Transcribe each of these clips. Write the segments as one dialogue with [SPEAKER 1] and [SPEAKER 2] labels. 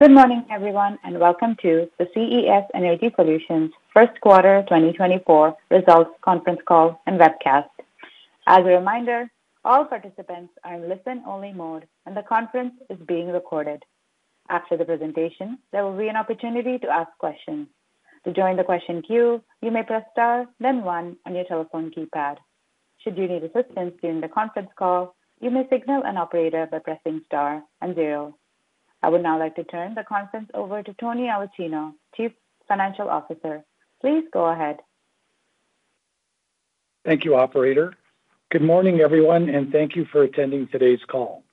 [SPEAKER 1] Good morning, everyone, and welcome to the CES Energy Solutions First Quarter 2024 Results Conference Call and Webcast. As a reminder, all participants are in listen-only mode, and the conference is being recorded. After the presentation, there will be an opportunity to ask questions. To join the question queue, you may press star, then 1 on your telephone keypad. Should you need assistance during the conference call, you may signal an operator by pressing star and 0. I would now like to turn the conference over to Tony Aulicino, Chief Financial Officer. Please go ahead.
[SPEAKER 2] Thank you, operator. Good morning, everyone, and thank you for attending today's call.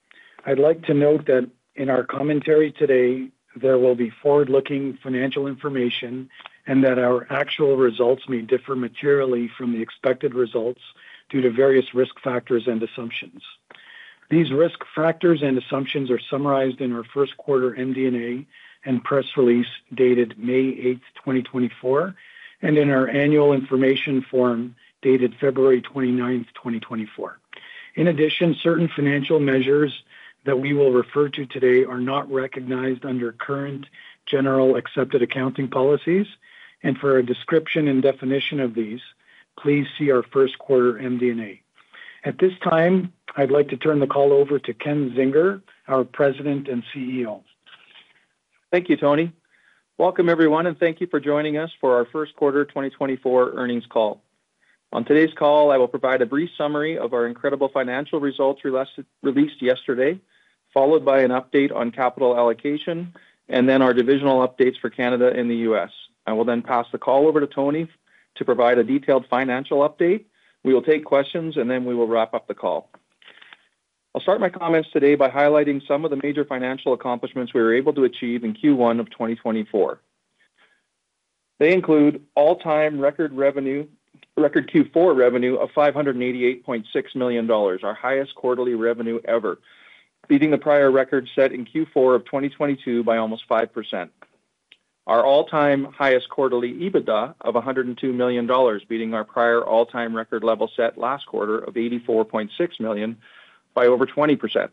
[SPEAKER 2] I'd like to note that in our commentary today, there will be forward-looking financial information and that our actual results may differ materially from the expected results due to various risk factors and assumptions. These risk factors and assumptions are summarized in our First Quarter MD&A and press release dated May 8, 2024, and in our Annual Information Form dated February 29, 2024. In addition, certain financial measures that we will refer to today are not recognized under current generally accepted accounting policies, and for a description and definition of these, please see our First Quarter MD&A. At this time, I'd like to turn the call over to Ken Zinger, our President and CEO.
[SPEAKER 3] Thank you, Tony. Welcome, everyone, and thank you for joining us for our First Quarter 2024 earnings call. On today's call, I will provide a brief summary of our incredible financial results released yesterday, followed by an update on capital allocation, and then our divisional updates for Canada and the U.S. I will then pass the call over to Tony to provide a detailed financial update. We will take questions, and then we will wrap up the call. I'll start my comments today by highlighting some of the major financial accomplishments we were able to achieve in Q1 of 2024. They include all-time record Q4 revenue of $588.6 million, our highest quarterly revenue ever, beating the prior record set in Q4 of 2022 by almost 5%. Our all-time highest quarterly EBITDA of $102 million, beating our prior all-time record level set last quarter of $84.6 million by over 20%.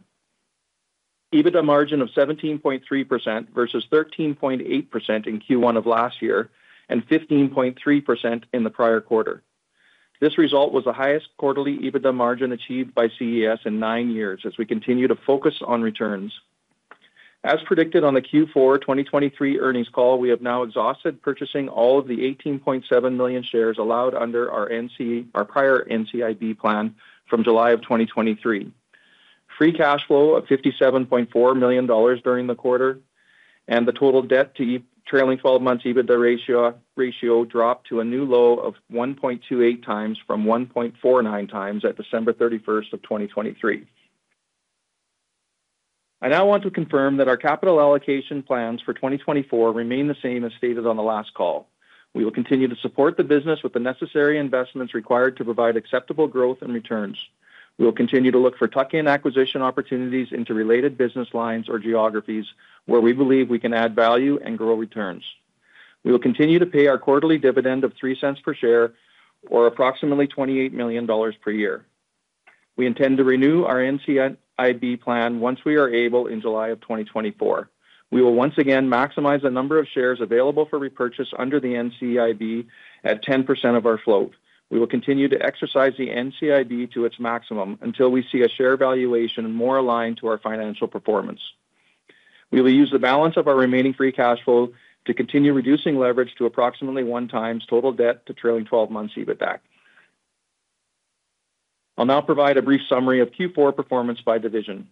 [SPEAKER 3] EBITDA margin of 17.3% versus 13.8% in Q1 of last year and 15.3% in the prior quarter. This result was the highest quarterly EBITDA margin achieved by CES in nine years as we continue to focus on returns. As predicted on the Q4 2023 earnings call, we have now exhausted purchasing all of the 18.7 million shares allowed under our prior NCIB plan from July of 2023. Free cash flow of 57.4 million dollars during the quarter, and the total debt to trailing 12-month EBITDA ratio dropped to a new low of 1.28 times from 1.49 times at December 31st of 2023. I now want to confirm that our capital allocation plans for 2024 remain the same as stated on the last call. We will continue to support the business with the necessary investments required to provide acceptable growth and returns. We will continue to look for tuck-in acquisition opportunities into related business lines or geographies where we believe we can add value and grow returns. We will continue to pay our quarterly dividend of 0.03 per share or approximately 28 million dollars per year. We intend to renew our NCIB plan once we are able in July of 2024. We will once again maximize the number of shares available for repurchase under the NCIB at 10% of our float. We will continue to exercise the NCIB to its maximum until we see a share valuation more aligned to our financial performance. We will use the balance of our remaining free cash flow to continue reducing leverage to approximately 1x total debt to trailing 12-month EBITDA. I'll now provide a brief summary of Q4 performance by division.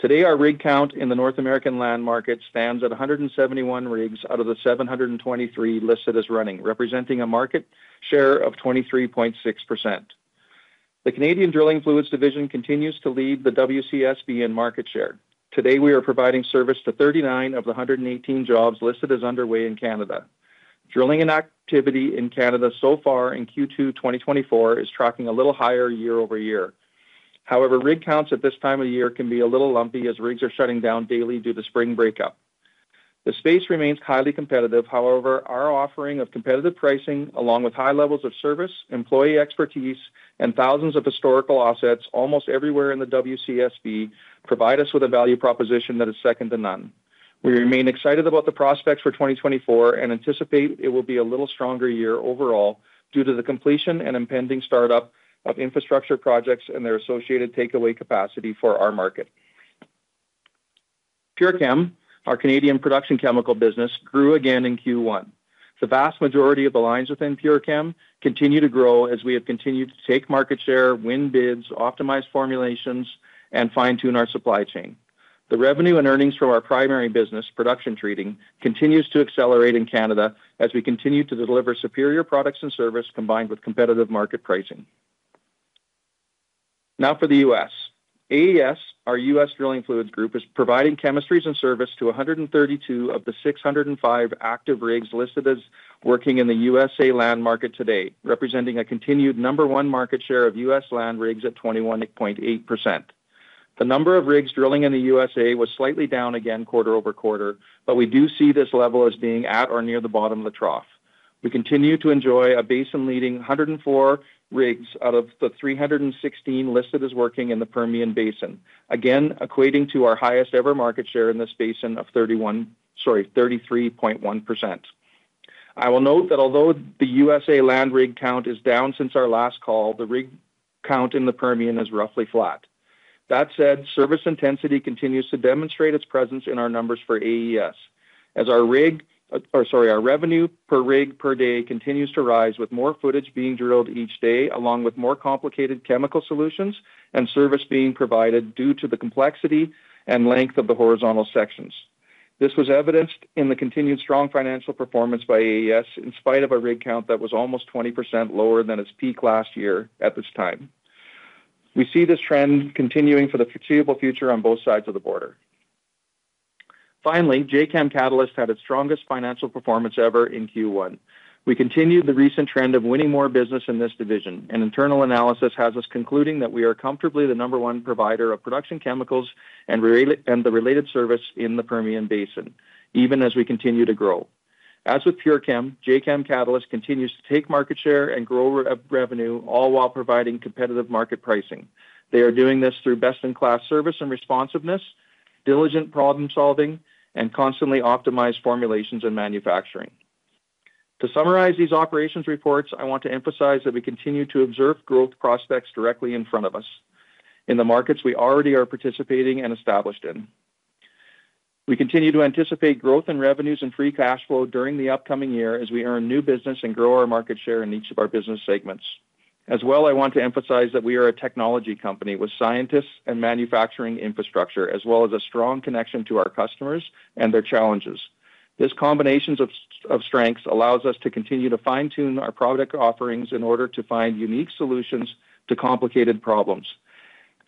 [SPEAKER 3] Today, our rig count in the North American land market stands at 171 rigs out of the 723 listed as running, representing a market share of 23.6%. The Canadian Drilling Fluids division continues to lead the WCSB in market share. Today, we are providing service to 39 of the 118 jobs listed as underway in Canada. Drilling activity in Canada so far in Q2 2024 is tracking a little higher year over year. However, rig counts at this time of year can be a little lumpy as rigs are shutting down daily due to spring breakup. The space remains highly competitive. However, our offering of competitive pricing along with high levels of service, employee expertise, and thousands of historical assets almost everywhere in the WCSB provide us with a value proposition that is second to none. We remain excited about the prospects for 2024 and anticipate it will be a little stronger year overall due to the completion and impending startup of infrastructure projects and their associated takeaway capacity for our market. PureChem, our Canadian production chemical business, grew again in Q1. The vast majority of the lines within PureChem continue to grow as we have continued to take market share, win bids, optimize formulations, and fine-tune our supply chain. The revenue and earnings from our primary business, production treating, continues to accelerate in Canada as we continue to deliver superior products and service combined with competitive market pricing. Now for the US. AES, our US Drilling Fluids group, is providing chemistries and service to 132 of the 605 active rigs listed as working in the USA land market today, representing a continued number one market share of US land rigs at 21.8%. The number of rigs drilling in the USA was slightly down again quarter-over-quarter, but we do see this level as being at or near the bottom of the trough. We continue to enjoy a basin-leading 104 rigs out of the 316 listed as working in the Permian Basin, again equating to our highest ever market share in this basin of 31 sorry, 33.1%. I will note that although the USA land rig count is down since our last call, the rig count in the Permian is roughly flat. That said, service intensity continues to demonstrate its presence in our numbers for AES as our rig or sorry, our revenue per rig per day continues to rise with more footage being drilled each day along with more complicated chemical solutions and service being provided due to the complexity and length of the horizontal sections. This was evidenced in the continued strong financial performance by AES in spite of a rig count that was almost 20% lower than its peak last year at this time. We see this trend continuing for the foreseeable future on both sides of the border. Finally, Jacam Catalyst had its strongest financial performance ever in Q1. We continue the recent trend of winning more business in this division, and internal analysis has us concluding that we are comfortably the number one provider of production chemicals and the related service in the Permian Basin, even as we continue to grow. As with PureChem, Jacam Catalyst continues to take market share and grow revenue all while providing competitive market pricing. They are doing this through best-in-class service and responsiveness, diligent problem-solving, and constantly optimized formulations and manufacturing. To summarize these operations reports, I want to emphasize that we continue to observe growth prospects directly in front of us in the markets we already are participating and established in. We continue to anticipate growth in revenues and free cash flow during the upcoming year as we earn new business and grow our market share in each of our business segments. As well, I want to emphasize that we are a technology company with scientists and manufacturing infrastructure as well as a strong connection to our customers and their challenges. This combination of strengths allows us to continue to fine-tune our product offerings in order to find unique solutions to complicated problems.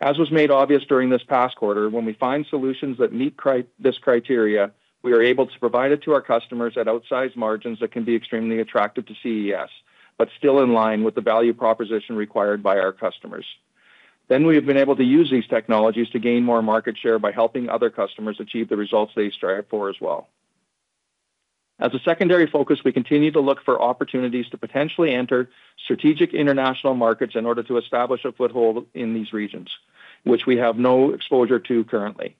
[SPEAKER 3] As was made obvious during this past quarter, when we find solutions that meet this criteria, we are able to provide it to our customers at outsized margins that can be extremely attractive to CES but still in line with the value proposition required by our customers. Then we have been able to use these technologies to gain more market share by helping other customers achieve the results they strive for as well. As a secondary focus, we continue to look for opportunities to potentially enter strategic international markets in order to establish a foothold in these regions, which we have no exposure to currently.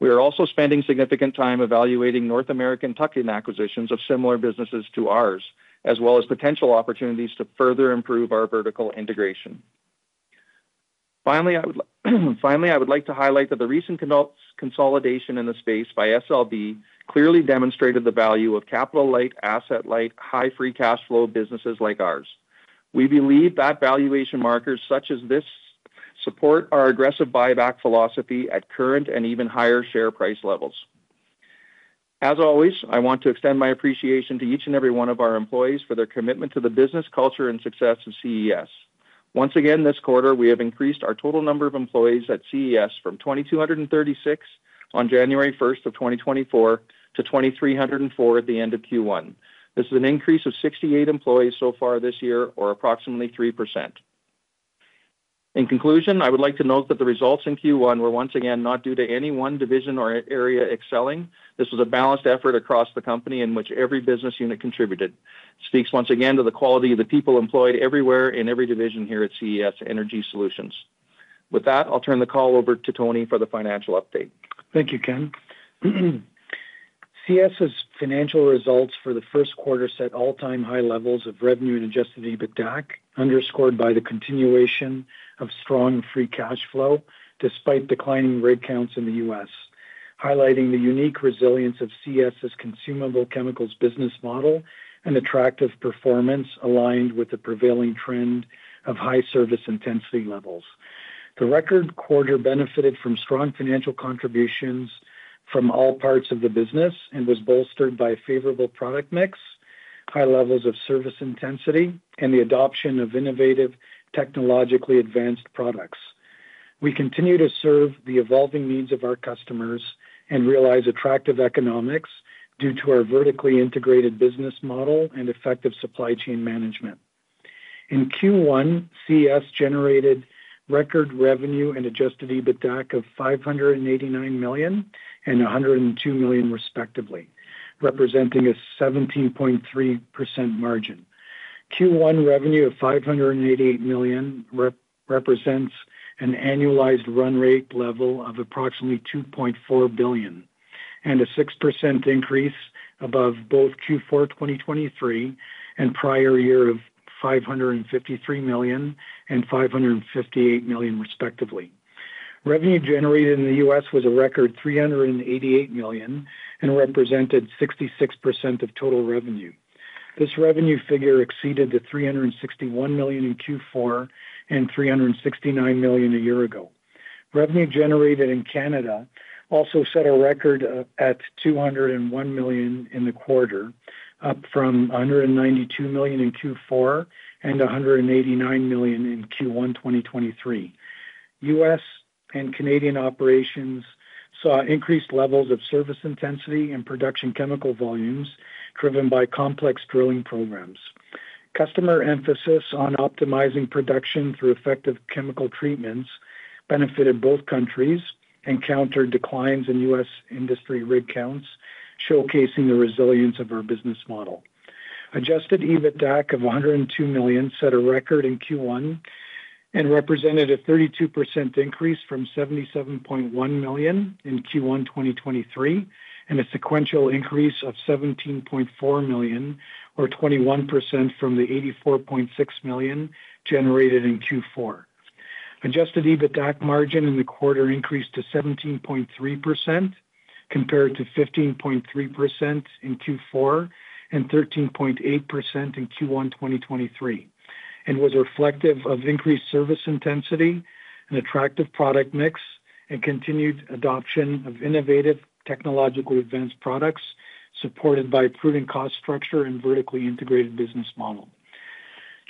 [SPEAKER 3] We are also spending significant time evaluating North American tuck-in acquisitions of similar businesses to ours as well as potential opportunities to further improve our vertical integration. Finally, I would like to highlight that the recent consolidation in the space by SLB clearly demonstrated the value of capital-light, asset-light, high free cash flow businesses like ours. We believe that valuation markers such as this support our aggressive buyback philosophy at current and even higher share price levels. As always, I want to extend my appreciation to each and every one of our employees for their commitment to the business culture and success of CES. Once again, this quarter, we have increased our total number of employees at CES from 2,236 on January 1st of 2024 to 2,304 at the end of Q1. This is an increase of 68 employees so far this year or approximately 3%. In conclusion, I would like to note that the results in Q1 were once again not due to any one division or area excelling. This was a balanced effort across the company in which every business unit contributed. Speaks once again to the quality of the people employed everywhere in every division here at CES Energy Solutions. With that, I'll turn the call over to Tony for the financial update.
[SPEAKER 2] Thank you, Ken. CES's financial results for the first quarter set all-time high levels of revenue and Adjusted EBITDA underscored by the continuation of strong Free Cash Flow despite declining rig counts in the U.S., highlighting the unique resilience of CES's consumable chemicals business model and attractive performance aligned with the prevailing trend of high service intensity levels. The record quarter benefited from strong financial contributions from all parts of the business and was bolstered by a favorable product mix, high levels of service intensity, and the adoption of innovative, technologically advanced products. We continue to serve the evolving needs of our customers and realize attractive economics due to our vertically integrated business model and effective supply chain management. In Q1, CES generated record revenue and Adjusted EBITDA of 589 million and 102 million respectively, representing a 17.3% margin. Q1 revenue of $588 million represents an annualized run rate level of approximately $2.4 billion and a 6% increase above both Q4 2023 and prior year of $553 million and $558 million respectively. Revenue generated in the U.S. was a record $388 million and represented 66% of total revenue. This revenue figure exceeded the $361 million in Q4 and $369 million a year ago. Revenue generated in Canada also set a record at $201 million in the quarter, up from $192 million in Q4 and $189 million in Q1 2023. U.S. and Canadian operations saw increased levels of service intensity and production chemical volumes driven by complex drilling programs. Customer emphasis on optimizing production through effective chemical treatments benefited both countries and countered declines in U.S. industry rig counts, showcasing the resilience of our business model. Adjusted EBITDA of $102 million set a record in Q1 and represented a 32% increase from $77.1 million in Q1 2023 and a sequential increase of $17.4 million or 21% from the $84.6 million generated in Q4. Adjusted EBITDA margin in the quarter increased to 17.3% compared to 15.3% in Q4 and 13.8% in Q1 2023 and was reflective of increased service intensity, an attractive product mix, and continued adoption of innovative, technologically advanced products supported by a prudent cost structure and vertically integrated business model.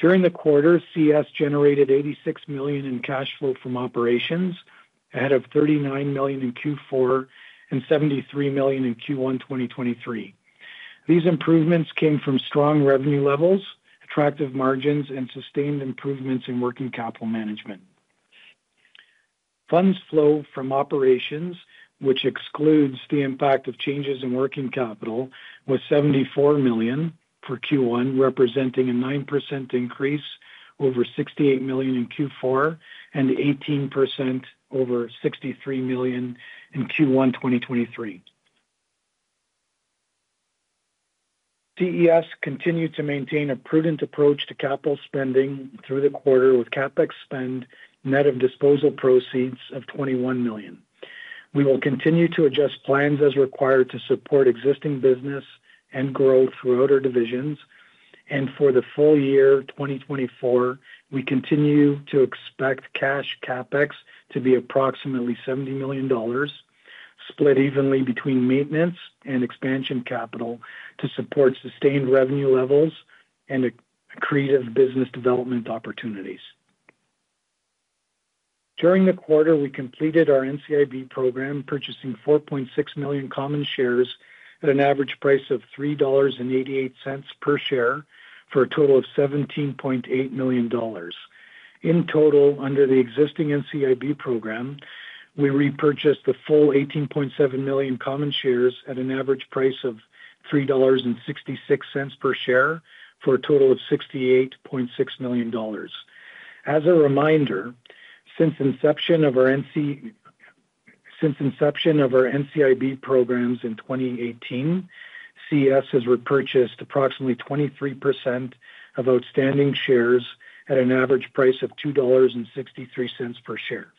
[SPEAKER 2] During the quarter, CES generated $86 million in cash flow from operations ahead of $39 million in Q4 and $73 million in Q1 2023. These improvements came from strong revenue levels, attractive margins, and sustained improvements in working capital management. Funds flow from operations, which excludes the impact of changes in working capital, was 74 million for Q1, representing a 9% increase over 68 million in Q4 and 18% over 63 million in Q1 2023. CES continued to maintain a prudent approach to capital spending through the quarter with CapEx spend net of disposal proceeds of 21 million. We will continue to adjust plans as required to support existing business and growth throughout our divisions. For the full year 2024, we continue to expect cash CapEx to be approximately 70 million dollars, split evenly between maintenance and expansion capital to support sustained revenue levels and creative business development opportunities. During the quarter, we completed our NCIB program purchasing 4.6 million common shares at an average price of 3.88 dollars per share for a total of 17.8 million dollars. In total, under the existing NCIB program, we repurchased the full 18.7 million common shares at an average price of 3.66 dollars per share for a total of 68.6 million dollars. As a reminder, since inception of our NCIB programs in 2018, CES has repurchased approximately 23% of outstanding shares at an average price of 2.63 dollars per share.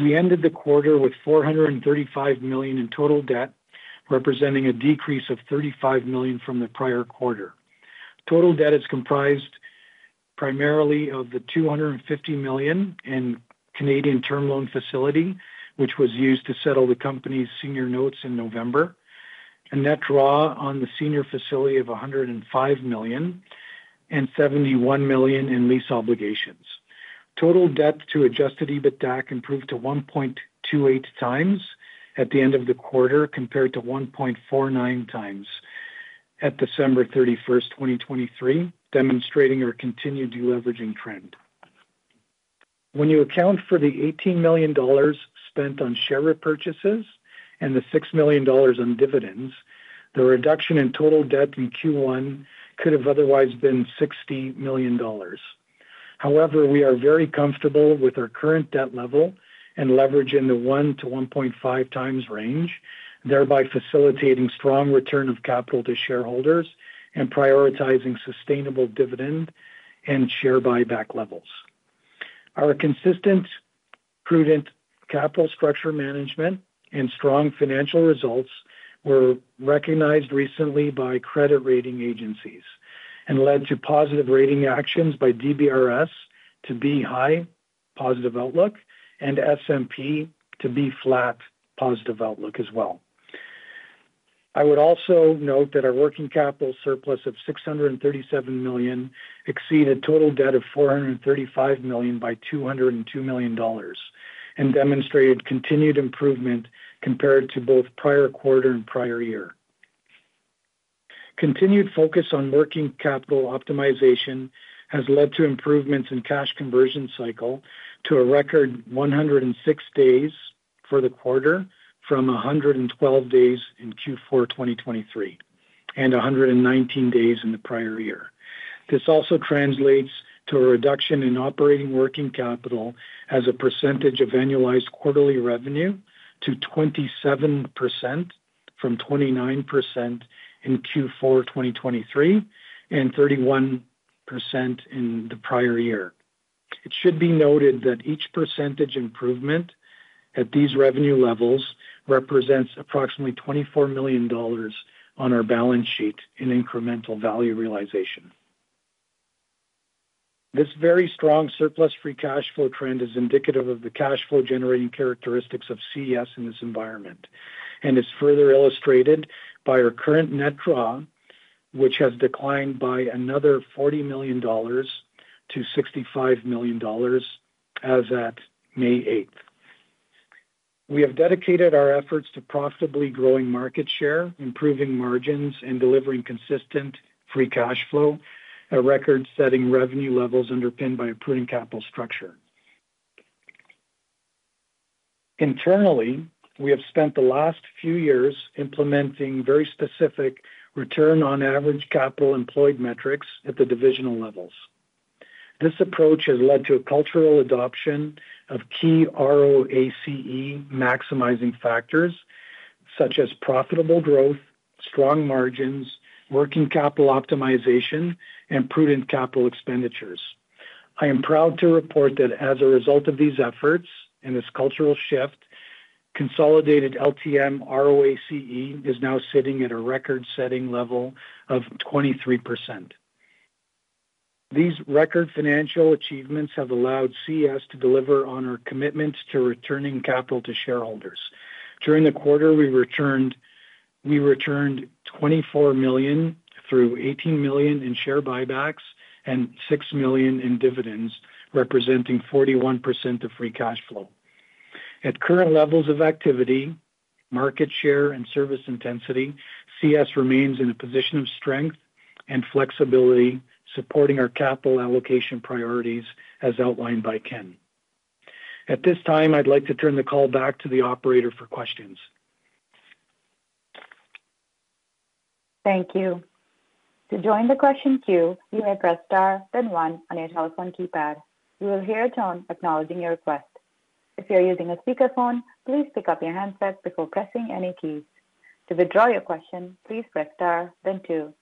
[SPEAKER 2] We ended the quarter with 435 million in total debt, representing a decrease of 35 million from the prior quarter. Total debt is comprised primarily of the 250 million in Canadian term loan facility, which was used to settle the company's senior notes in November, a net draw on the senior facility of 105 million, and 71 million in lease obligations. Total debt to Adjusted EBITDA improved to 1.28 times at the end of the quarter compared to 1.49 times at December 31st, 2023, demonstrating our continued leveraging trend. When you account for the 18 million dollars spent on share repurchases and the 6 million dollars on dividends, the reduction in total debt in Q1 could have otherwise been 60 million dollars. However, we are very comfortable with our current debt level and leverage in the 1-1.5x range, thereby facilitating strong return of capital to shareholders and prioritizing sustainable dividend and share buyback levels. Our consistent, prudent capital structure management and strong financial results were recognized recently by credit rating agencies and led to positive rating actions by DBRS to B High positive outlook and S&P to B Flat positive outlook as well. I would also note that our working capital surplus of 637 million exceeded total debt of 435 million by 202 million dollars and demonstrated continued improvement compared to both prior quarter and prior year. Continued focus on working capital optimization has led to improvements in cash conversion cycle to a record 106 days for the quarter from 112 days in Q4 2023 and 119 days in the prior year. This also translates to a reduction in operating working capital as a percentage of annualized quarterly revenue to 27% from 29% in Q4 2023 and 31% in the prior year. It should be noted that each percentage improvement at these revenue levels represents approximately 24 million dollars on our balance sheet in incremental value realization. This very strong surplus free cash flow trend is indicative of the cash flow generating characteristics of CES in this environment and is further illustrated by our current net draw, which has declined by another 40 million dollars to 65 million dollars as of May 8th. We have dedicated our efforts to profitably growing market share, improving margins, and delivering consistent free cash flow, a record-setting revenue levels underpinned by a prudent capital structure. Internally, we have spent the last few years implementing very specific return on average capital employed metrics at the divisional levels. This approach has led to a cultural adoption of key ROACE maximizing factors such as profitable growth, strong margins, working capital optimization, and prudent capital expenditures. I am proud to report that as a result of these efforts and this cultural shift, consolidated LTM ROACE is now sitting at a record-setting level of 23%. These record financial achievements have allowed CES to deliver on our commitment to returning capital to shareholders. During the quarter, we returned $24 million through $18 million in share buybacks and $6 million in dividends, representing 41% of free cash flow. At current levels of activity, market share, and service intensity, CES remains in a position of strength and flexibility, supporting our capital allocation priorities as outlined by Ken. At this time, I'd like to turn the call back to the operator for questions.
[SPEAKER 1] Thank you. To join the question queue, you may press star, then one, on your telephone keypad. You will hear a tone acknowledging your request. If you're using a speakerphone, please pick up your handset before pressing any keys. To withdraw your question, please press star, then two.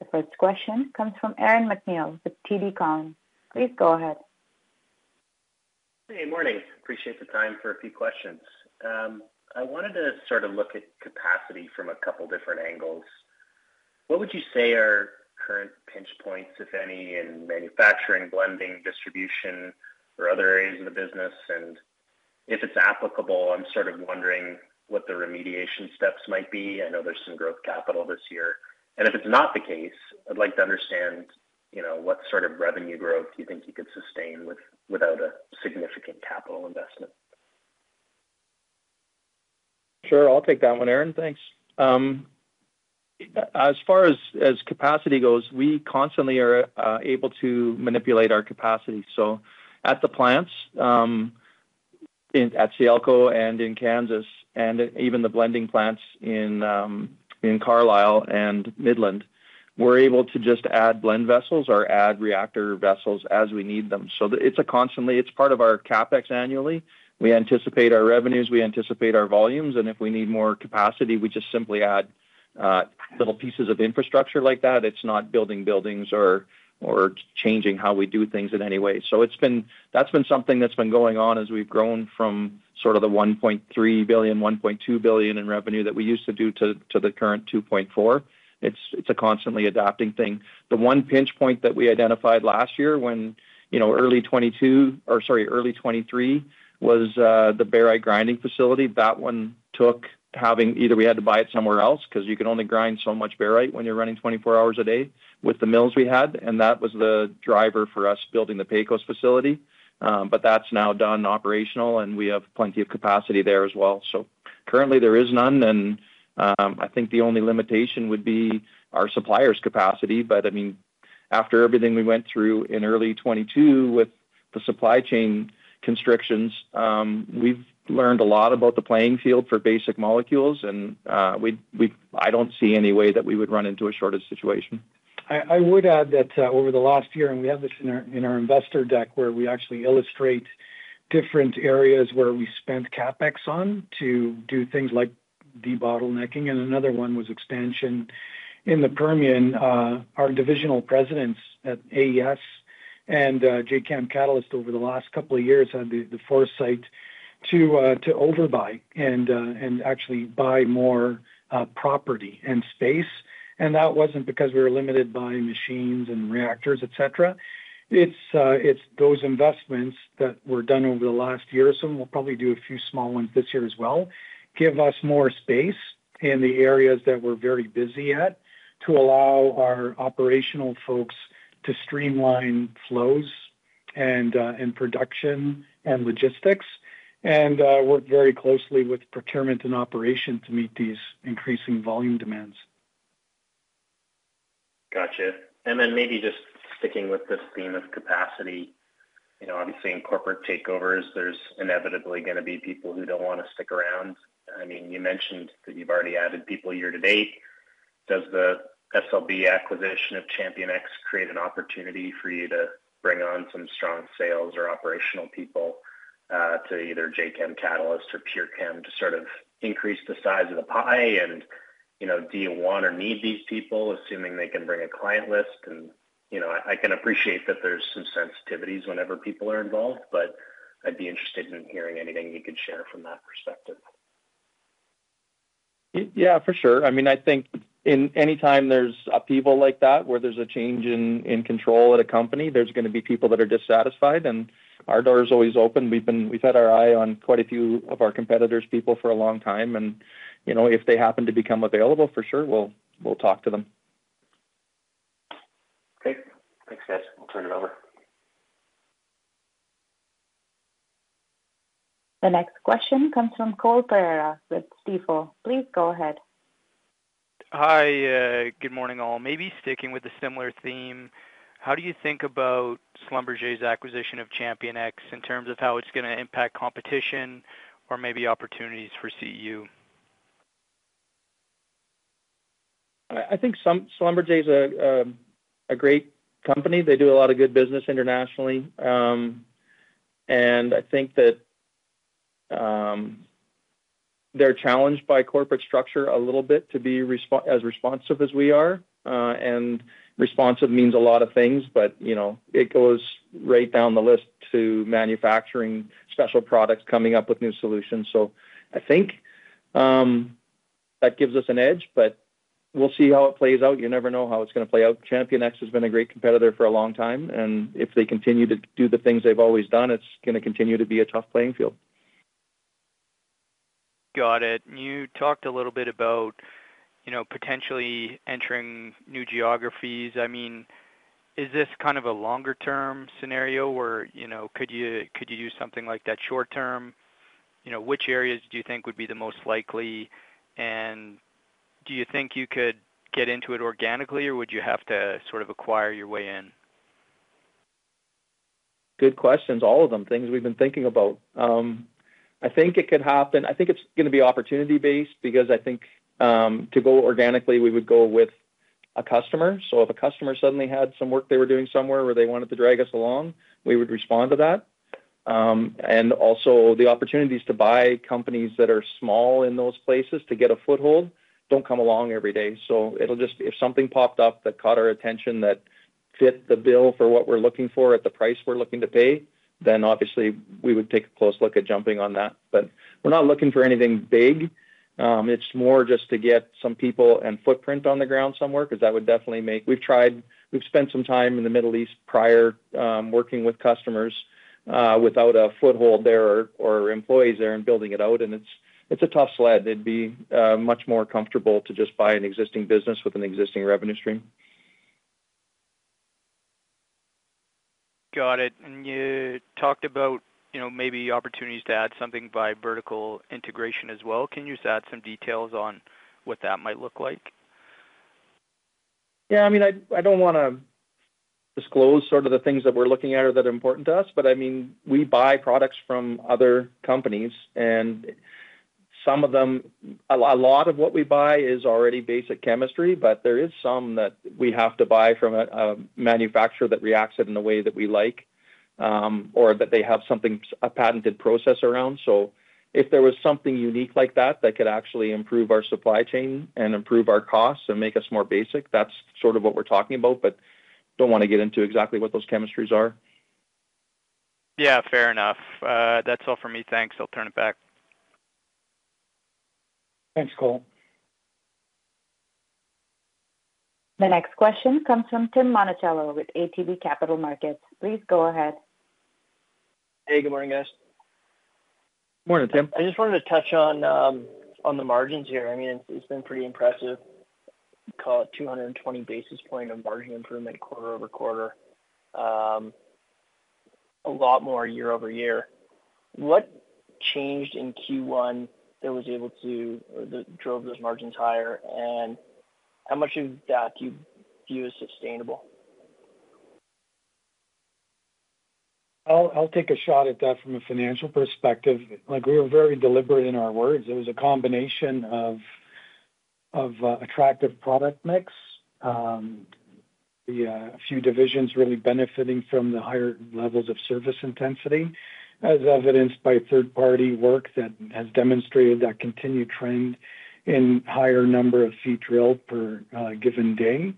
[SPEAKER 1] The first question comes from Aaron MacNeil with TD Cowen. Please go ahead.
[SPEAKER 4] Hey, morning. Appreciate the time for a few questions. I wanted to sort of look at capacity from a couple of different angles. What would you say are current pinch points, if any, in manufacturing, blending, distribution, or other areas of the business? And if it's applicable, I'm sort of wondering what the remediation steps might be. I know there's some growth capital this year. And if it's not the case, I'd like to understand what sort of revenue growth you think you could sustain without a significant capital investment.
[SPEAKER 3] Sure. I'll take that one, Aaron. Thanks. As far as capacity goes, we constantly are able to manipulate our capacity. So at the plants at Sialco and in Kansas and even the blending plants in Carlyle and Midland, we're able to just add blend vessels or add reactor vessels as we need them. So it's a constantly it's part of our CapEx annually. We anticipate our revenues. We anticipate our volumes. And if we need more capacity, we just simply add little pieces of infrastructure like that. It's not building buildings or changing how we do things in any way. So that's been something that's been going on as we've grown from sort of the $1.3 billion, $1.2 billion in revenue that we used to do to the current $2.4. It's a constantly adapting thing. The one pinch point that we identified last year, early 2022 or sorry, early 2023, was the barite grinding facility. That one took having either we had to buy it somewhere else because you can only grind so much barite when you're running 24 hours a day with the mills we had. And that was the driver for us building the Pecos facility. But that's now done operational, and we have plenty of capacity there as well. So currently, there is none. And I think the only limitation would be our supplier's capacity. But I mean, after everything we went through in early 2022 with the supply chain constrictions, we've learned a lot about the playing field for basic molecules. And I don't see any way that we would run into a shortage situation.
[SPEAKER 2] I would add that over the last year and we have this in our investor deck where we actually illustrate different areas where we spent CapEx on to do things like debottlenecking. Another one was expansion in the Permian. Our divisional presidents at AES and Jacam Catalyst over the last couple of years had the foresight to overbuy and actually buy more property and space. That wasn't because we were limited by machines and reactors, etc. It's those investments that were done over the last year or so. We'll probably do a few small ones this year as well, give us more space in the areas that we're very busy at to allow our operational folks to streamline flows and production and logistics and work very closely with procurement and operation to meet these increasing volume demands.
[SPEAKER 4] Gotcha. And then maybe just sticking with this theme of capacity, obviously, in corporate takeovers, there's inevitably going to be people who don't want to stick around. I mean, you mentioned that you've already added people year to date. Does the SLB acquisition of ChampionX create an opportunity for you to bring on some strong sales or operational people to either Jacam Catalyst or PureChem to sort of increase the size of the pie? And do you want or need these people, assuming they can bring a client list? And I can appreciate that there's some sensitivities whenever people are involved, but I'd be interested in hearing anything you could share from that perspective.
[SPEAKER 3] Yeah, for sure. I mean, I think anytime there's upheaval like that where there's a change in control at a company, there's going to be people that are dissatisfied. Our door is always open. We've had our eye on quite a few of our competitors' people for a long time. If they happen to become available, for sure, we'll talk to them.
[SPEAKER 4] Great. Thanks, guys. We'll turn it over.
[SPEAKER 1] The next question comes from Cole Pereira with Stifel. Please go ahead.
[SPEAKER 5] Hi. Good morning, all. Maybe sticking with a similar theme, how do you think about SLB's acquisition of ChampionX in terms of how it's going to impact competition or maybe opportunities for CES?
[SPEAKER 3] I think Schlumberger's a great company. They do a lot of good business internationally. I think that they're challenged by corporate structure a little bit to be as responsive as we are. Responsive means a lot of things, but it goes right down the list to manufacturing special products, coming up with new solutions. I think that gives us an edge, but we'll see how it plays out. You never know how it's going to play out. ChampionX has been a great competitor for a long time. If they continue to do the things they've always done, it's going to continue to be a tough playing field.
[SPEAKER 5] Got it. And you talked a little bit about potentially entering new geographies. I mean, is this kind of a longer-term scenario, or could you do something like that short-term? Which areas do you think would be the most likely? And do you think you could get into it organically, or would you have to sort of acquire your way in?
[SPEAKER 3] Good questions, all of them, things we've been thinking about. I think it could happen. I think it's going to be opportunity-based because I think to go organically, we would go with a customer. So if a customer suddenly had some work they were doing somewhere where they wanted to drag us along, we would respond to that. And also, the opportunities to buy companies that are small in those places to get a foothold don't come along every day. So if something popped up that caught our attention that fit the bill for what we're looking for at the price we're looking to pay, then obviously, we would take a close look at jumping on that. But we're not looking for anything big. It's more just to get some people and footprint on the ground somewhere because that would definitely make. We've spent some time in the Middle East prior working with customers without a foothold there or employees there and building it out. And it's a tough sled. It'd be much more comfortable to just buy an existing business with an existing revenue stream.
[SPEAKER 5] Got it. And you talked about maybe opportunities to add something by vertical integration as well. Can you just add some details on what that might look like?
[SPEAKER 3] Yeah. I mean, I don't want to disclose sort of the things that we're looking at or that are important to us. But I mean, we buy products from other companies. And a lot of what we buy is already basic chemistry, but there is some that we have to buy from a manufacturer that reacts it in a way that we like or that they have a patented process around. So if there was something unique like that that could actually improve our supply chain and improve our costs and make us more basic, that's sort of what we're talking about. But don't want to get into exactly what those chemistries are.
[SPEAKER 5] Yeah. Fair enough. That's all for me. Thanks. I'll turn it back.
[SPEAKER 2] Thanks, Cole.
[SPEAKER 1] The next question comes from Tim Monachello with ATB Capital Markets. Please go ahead.
[SPEAKER 6] Hey. Good morning, guys.
[SPEAKER 3] Morning, Tim.
[SPEAKER 6] I just wanted to touch on the margins here. I mean, it's been pretty impressive. Call it 220 basis points of margin improvement quarter-over-quarter, a lot more year-over-year. What changed in Q1 that was able to or that drove those margins higher? And how much of that do you view as sustainable?
[SPEAKER 2] I'll take a shot at that from a financial perspective. We were very deliberate in our words. It was a combination of attractive product mix, a few divisions really benefiting from the higher levels of service intensity, as evidenced by third-party work that has demonstrated that continued trend in higher number of feet drilled per given day.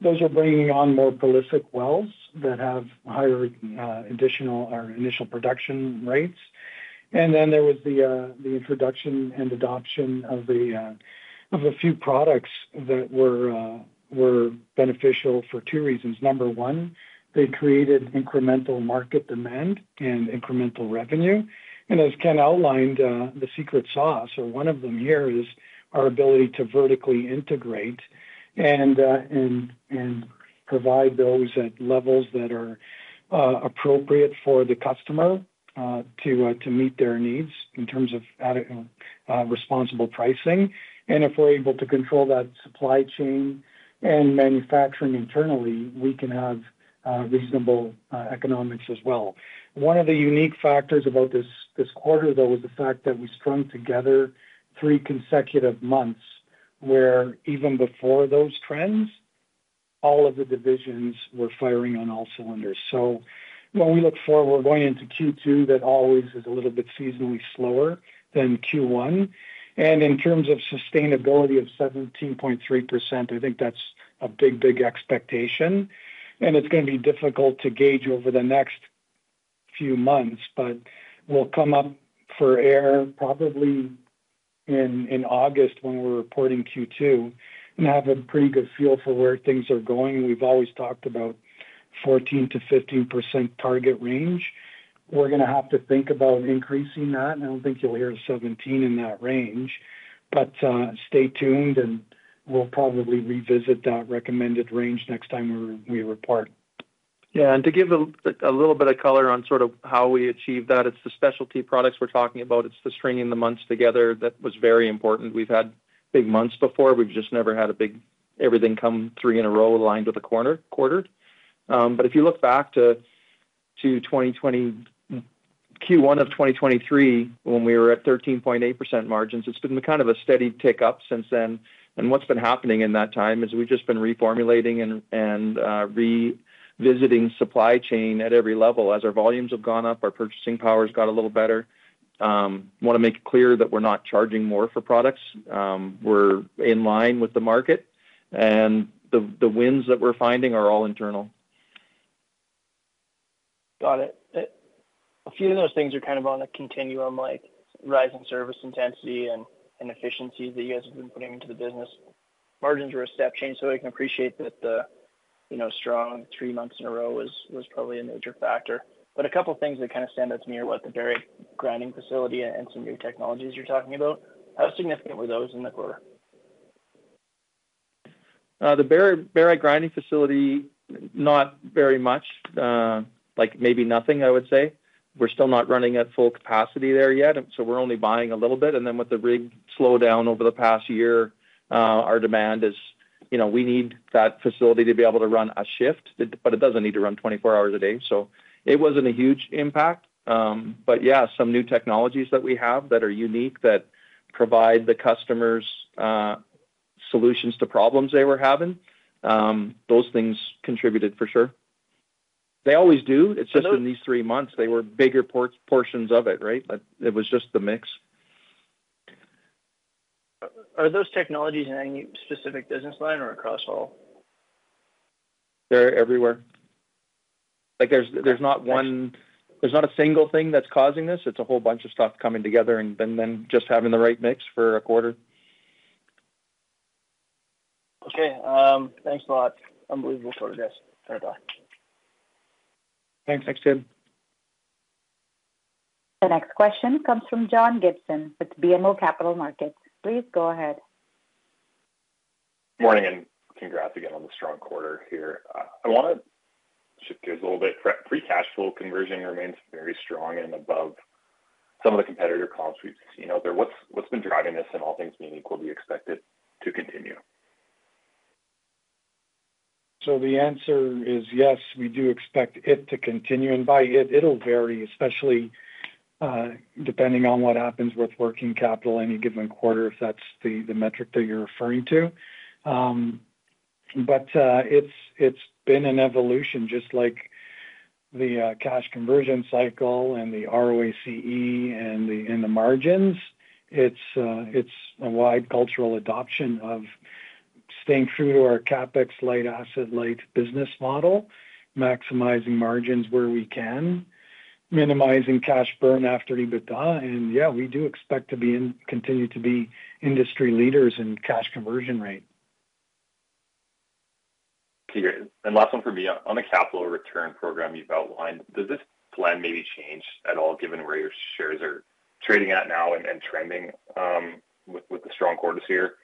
[SPEAKER 2] Those are bringing on more prolific wells that have higher initial production rates. And then there was the introduction and adoption of a few products that were beneficial for two reasons. Number one, they created incremental market demand and incremental revenue. And as Ken outlined, the secret sauce, or one of them here, is our ability to vertically integrate and provide those at levels that are appropriate for the customer to meet their needs in terms of responsible pricing. If we're able to control that supply chain and manufacturing internally, we can have reasonable economics as well. One of the unique factors about this quarter, though, was the fact that we strung together 3 consecutive months where even before those trends, all of the divisions were firing on all cylinders. So what we look for, we're going into Q2 that always is a little bit seasonally slower than Q1. And in terms of sustainability of 17.3%, I think that's a big, big expectation. And it's going to be difficult to gauge over the next few months, but we'll come up for air probably in August when we're reporting Q2 and have a pretty good feel for where things are going. We've always talked about 14%-15% target range. We're going to have to think about increasing that. I don't think you'll hear a 17 in that range. But stay tuned, and we'll probably revisit that recommended range next time we report.
[SPEAKER 3] Yeah. To give a little bit of color on sort of how we achieve that, it's the specialty products we're talking about. It's the stringing the months together that was very important. We've had big months before. We've just never had everything come three in a row aligned with a quarter. But if you look back to Q1 of 2023 when we were at 13.8% margins, it's been kind of a steady tick-up since then. And what's been happening in that time is we've just been reformulating and revisiting supply chain at every level. As our volumes have gone up, our purchasing power has got a little better. I want to make it clear that we're not charging more for products. We're in line with the market. And the wins that we're finding are all internal.
[SPEAKER 6] Got it. A few of those things are kind of on a continuum like rising service intensity and efficiencies that you guys have been putting into the business. Margins were a step change, so I can appreciate that the strong three months in a row was probably a major factor. But a couple of things that kind of stand out to me are what the barite grinding facility and some new technologies you're talking about. How significant were those in the quarter?
[SPEAKER 3] The Barite grinding facility, not very much, maybe nothing, I would say. We're still not running at full capacity there yet, so we're only buying a little bit. Then with the rig slowdown over the past year, our demand is we need that facility to be able to run a shift, but it doesn't need to run 24 hours a day. It wasn't a huge impact. Yeah, some new technologies that we have that are unique that provide the customers solutions to problems they were having, those things contributed for sure. They always do. It's just in these three months, they were bigger portions of it, right? It was just the mix.
[SPEAKER 6] Are those technologies in any specific business line or across all?
[SPEAKER 3] They're everywhere. There's not a single thing that's causing this. It's a whole bunch of stuff coming together and then just having the right mix for a quarter.
[SPEAKER 6] Okay. Thanks a lot. Unbelievable quarter, guys. Try to talk.
[SPEAKER 3] Thanks. Thanks, Tim.
[SPEAKER 1] The next question comes from John Gibson with BMO Capital Markets. Please go ahead.
[SPEAKER 7] Morning, and congrats again on the strong quarter here. I want to shift gears a little bit. Free cash flow conversion remains very strong and above some of the competitor comp set. What's been driving this, and all things being equal, do you expect it to continue?
[SPEAKER 2] The answer is yes, we do expect it to continue. By it, it'll vary, especially depending on what happens with working capital any given quarter, if that's the metric that you're referring to. It's been an evolution. Just like the cash conversion cycle and the ROACE and the margins, it's a wide cultural adoption of staying true to our CapEx light, asset-light business model, maximizing margins where we can, minimizing cash burn after EBITDA. Yeah, we do expect to continue to be industry leaders in cash conversion rate.
[SPEAKER 7] Last one for me. On the capital return program you've outlined, does this plan maybe change at all given where your shares are trading at now and trending with the strong quarters here,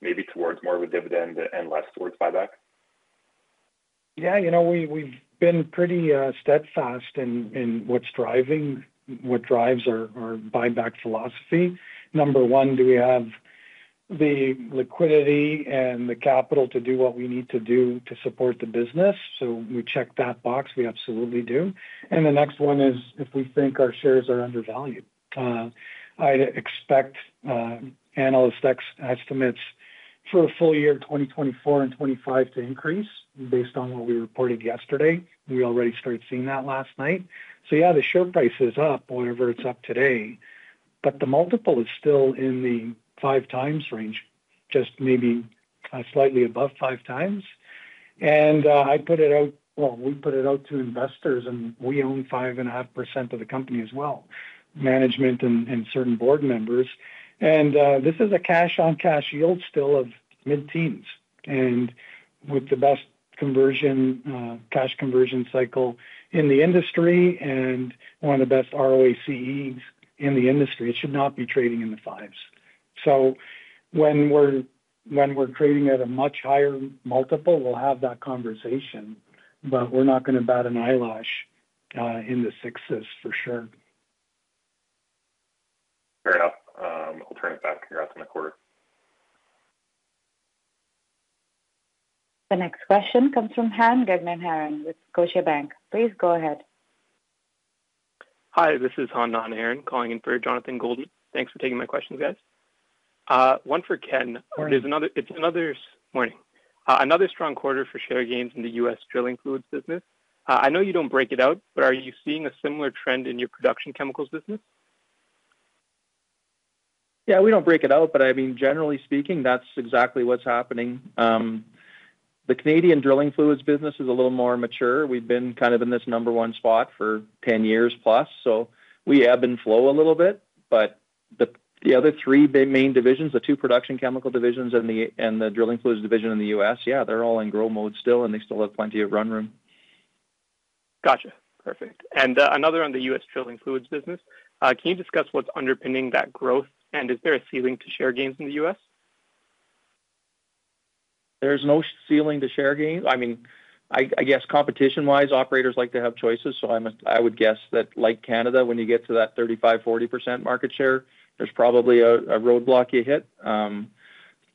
[SPEAKER 7] maybe towards more of a dividend and less towards buyback?
[SPEAKER 2] Yeah. We've been pretty steadfast in what drives our buyback philosophy. Number one, do we have the liquidity and the capital to do what we need to do to support the business? So we check that box. We absolutely do. And the next one is if we think our shares are undervalued. I expect analyst estimates for a full year, 2024 and 2025, to increase based on what we reported yesterday. We already started seeing that last night. So yeah, the share price is up, whatever it's up today. But the multiple is still in the 5x range, just maybe slightly above 5x. And I put it out, well, we put it out to investors, and we own 5.5% of the company as well, management and certain board members. This is a cash-on-cash yield still of mid-teens and with the best cash conversion cycle in the industry and one of the best ROACEs in the industry. It should not be trading in the fives. So when we're trading at a much higher multiple, we'll have that conversation. But we're not going to bat an eyelash in the sixes for sure.
[SPEAKER 7] Fair enough. I'll turn it back. Congrats on the quarter.
[SPEAKER 1] The next question comes from Jean Pierre Garon with Scotiabank. Please go ahead.
[SPEAKER 8] Hi. This is Jean Pierre Garon calling in for Jonathan Goldman. Thanks for taking my questions, guys. One for Ken. It's another morning. Another strong quarter for share gains in the U.S. drilling fluids business. I know you don't break it out, but are you seeing a similar trend in your production chemicals business?
[SPEAKER 3] Yeah. We don't break it out. But I mean, generally speaking, that's exactly what's happening. The Canadian drilling fluids business is a little more mature. We've been kind of in this number one spot for 10 years plus. So we ebb and flow a little bit. But the other three main divisions, the two production chemical divisions and the drilling fluids division in the US, yeah, they're all in grow mode still, and they still have plenty of run room.
[SPEAKER 8] Gotcha. Perfect. And another on the U.S. drilling fluids business, can you discuss what's underpinning that growth? And is there a ceiling to share gains in the U.S.?
[SPEAKER 3] There's no ceiling to share gains. I mean, I guess competition-wise, operators like to have choices. So I would guess that like Canada, when you get to that 35%-40% market share, there's probably a roadblock you hit.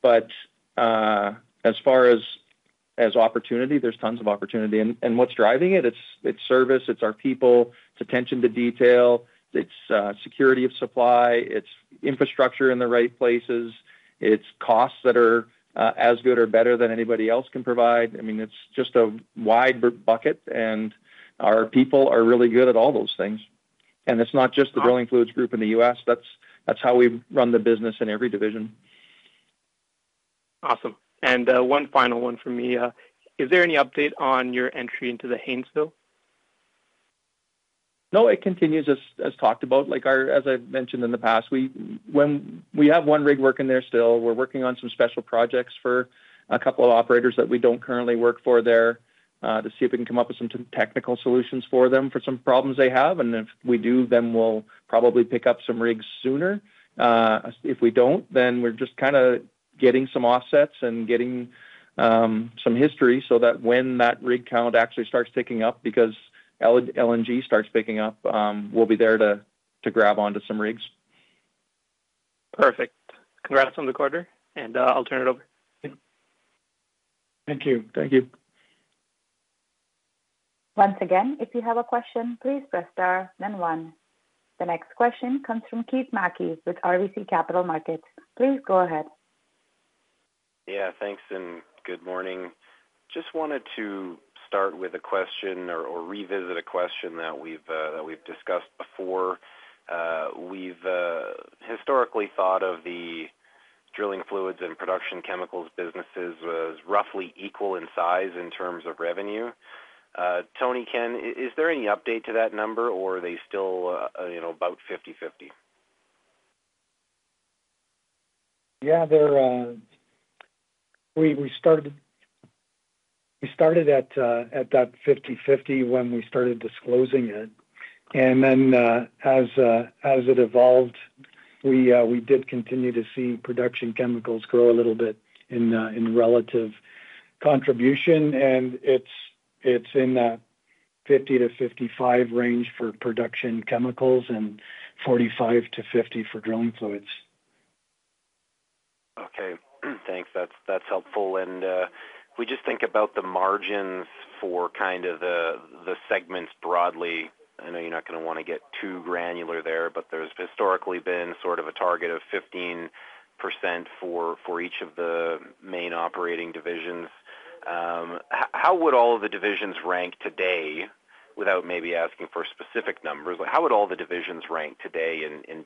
[SPEAKER 3] But as far as opportunity, there's tons of opportunity. And what's driving it? It's service. It's our people. It's attention to detail. It's security of supply. It's infrastructure in the right places. It's costs that are as good or better than anybody else can provide. I mean, it's just a wide bucket. And our people are really good at all those things. And it's not just the drilling fluids group in the US. That's how we run the business in every division.
[SPEAKER 8] Awesome. One final one from me. Is there any update on your entry into the Haynesville?
[SPEAKER 3] No. It continues as talked about. As I've mentioned in the past, when we have one rig working there still, we're working on some special projects for a couple of operators that we don't currently work for there to see if we can come up with some technical solutions for them for some problems they have. And if we do, then we'll probably pick up some rigs sooner. If we don't, then we're just kind of getting some offsets and getting some history so that when that rig count actually starts picking up because LNG starts picking up, we'll be there to grab onto some rigs.
[SPEAKER 8] Perfect. Congrats on the quarter. I'll turn it over.
[SPEAKER 2] Thank you.
[SPEAKER 3] Thank you.
[SPEAKER 1] Once again, if you have a question, please press star, then one. The next question comes from Keith Mackey with RBC Capital Markets. Please go ahead.
[SPEAKER 9] Yeah. Thanks and good morning. Just wanted to start with a question or revisit a question that we've discussed before. We've historically thought of the drilling fluids and production chemicals businesses as roughly equal in size in terms of revenue. Tony, Ken, is there any update to that number, or are they still about 50/50?
[SPEAKER 2] Yeah. We started at that 50/50 when we started disclosing it. And then as it evolved, we did continue to see production chemicals grow a little bit in relative contribution. And it's in that 50-55 range for production chemicals and 45-50 for drilling fluids.
[SPEAKER 9] Okay. Thanks. That's helpful. And if we just think about the margins for kind of the segments broadly, I know you're not going to want to get too granular there, but there's historically been sort of a target of 15% for each of the main operating divisions. How would all of the divisions rank today without maybe asking for specific numbers? How would all the divisions rank today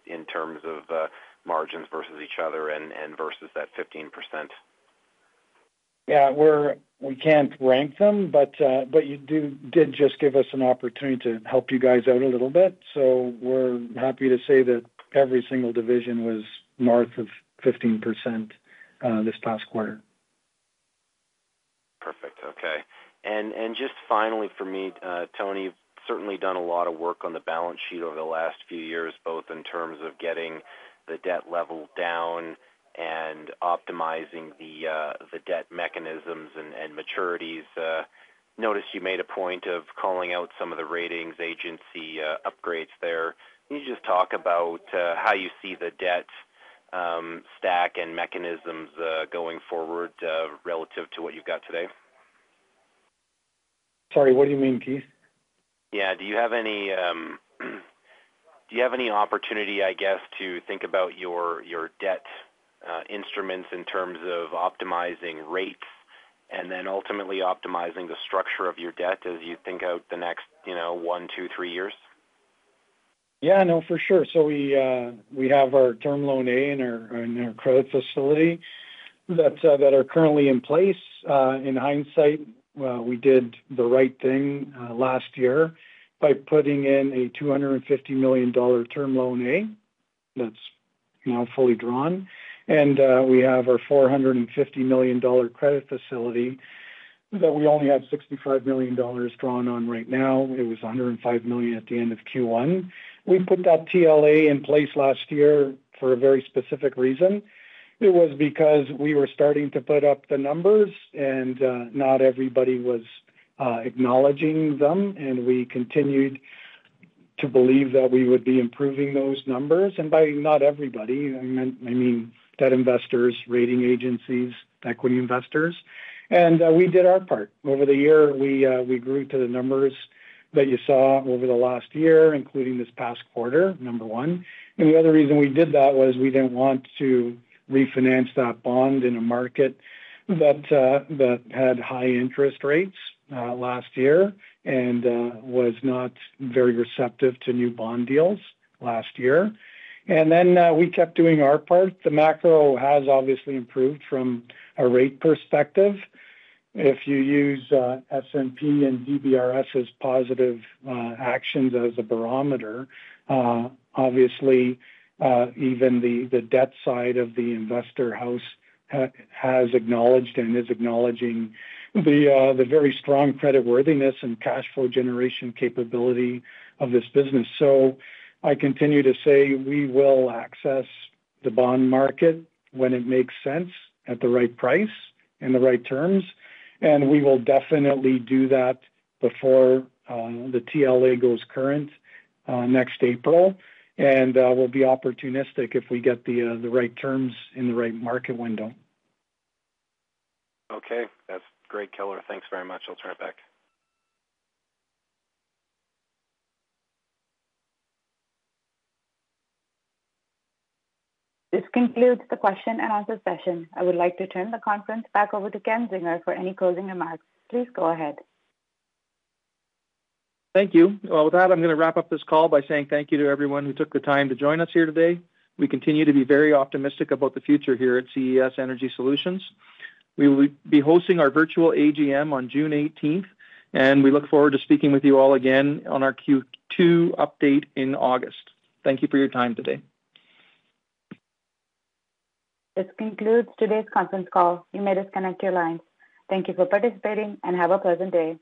[SPEAKER 9] in terms of margins versus each other and versus that 15%?
[SPEAKER 2] Yeah. We can't rank them, but you did just give us an opportunity to help you guys out a little bit. So we're happy to say that every single division was north of 15% this past quarter.
[SPEAKER 9] Perfect. Okay. And just finally for me, Tony, you've certainly done a lot of work on the balance sheet over the last few years, both in terms of getting the debt level down and optimizing the debt mechanisms and maturities. Noticed you made a point of calling out some of the ratings agency upgrades there. Can you just talk about how you see the debt stack and mechanisms going forward relative to what you've got today?
[SPEAKER 2] Sorry. What do you mean, Keith?
[SPEAKER 9] Yeah. Do you have any opportunity, I guess, to think about your debt instruments in terms of optimizing rates and then ultimately optimizing the structure of your debt as you think out the next one, two, three years?
[SPEAKER 2] Yeah. No, for sure. So we have our Term Loan A in our credit facility that are currently in place. In hindsight, we did the right thing last year by putting in a 250 million dollar Term Loan A that's now fully drawn. And we have our 450 million dollar credit facility that we only have 65 million dollars drawn on right now. It was 105 million at the end of Q1. We put that TLA in place last year for a very specific reason. It was because we were starting to put up the numbers, and not everybody was acknowledging them. And we continued to believe that we would be improving those numbers. And by not everybody, I mean debt investors, rating agencies, equity investors. And we did our part. Over the year, we grew to the numbers that you saw over the last year, including this past quarter, number one. And the other reason we did that was we didn't want to refinance that bond in a market that had high interest rates last year and was not very receptive to new bond deals last year. And then we kept doing our part. The macro has obviously improved from a rate perspective. If you use S&P and DBRS as positive actions as a barometer, obviously, even the debt side of the investor house has acknowledged and is acknowledging the very strong creditworthiness and cash flow generation capability of this business. So I continue to say we will access the bond market when it makes sense at the right price and the right terms. And we will definitely do that before the TLA goes current next April. And we'll be opportunistic if we get the right terms in the right market window.
[SPEAKER 9] Okay. That's great, color. Thanks very much. I'll turn it back.
[SPEAKER 1] This concludes the question and answer session. I would like to turn the conference back over to Ken Zinger for any closing remarks. Please go ahead.
[SPEAKER 3] Thank you. Well, with that, I'm going to wrap up this call by saying thank you to everyone who took the time to join us here today. We continue to be very optimistic about the future here at CES Energy Solutions. We will be hosting our virtual AGM on June 18th, and we look forward to speaking with you all again on our Q2 update in August. Thank you for your time today.
[SPEAKER 1] This concludes today's conference call. You may disconnect your lines. Thank you for participating, and have a pleasant day.